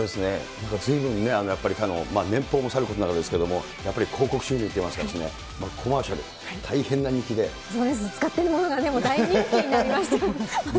なんかずいぶんね、やっぱり年俸もさることながらですけれども、やっぱり広告収入といいますかですね、コマーシャル、大変な人気そうですね、使っているものがもう大人気になりましたよね。